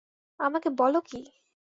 আমাকে বল কি?